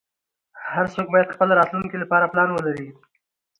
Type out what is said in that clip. هر څوک باید خپل راتلونکې لپاره پلان ولری